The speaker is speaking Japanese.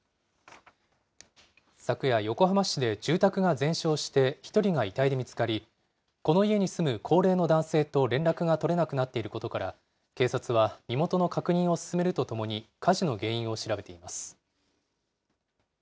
昨夜、横浜市で住宅が全焼して、１人が遺体で見つかり、この家に住む高齢の男性と連絡が取れなくなっていることから、警察は、身元の確認を進めるとともに、火事の原因を調べています。